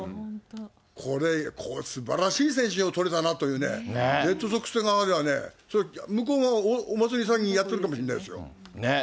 これ、すばらしい選手を取れたなっていう、レッドソックス側ではね、向こうがお祭り騒ぎやっとるかもしれないですよ。ね。